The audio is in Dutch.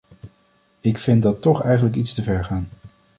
Ik vind dat toch eigenlijk iets te ver gaan.